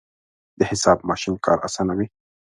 د حساب ماشین کار اسانوي.